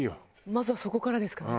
まずはそこからですかね？